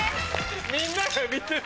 みんなが見てる。